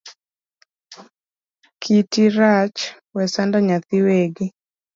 Kiti rach, we sando nyathi wegi